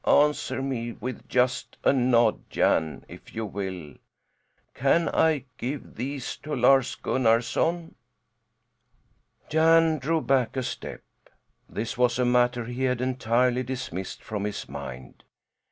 "Answer me with just a nod, Jan, if you will. Can I give these to Lars Gunnarson?" Jan drew back a step. This was a matter he had entirely dismissed from his mind.